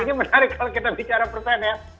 ini menarik kalau kita bicara persen ya